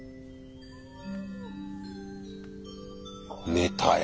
寝たよ。